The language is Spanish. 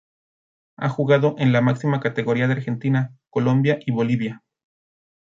Ha jugado en la máxima categoría en Argentina, Colombia y Bolivia.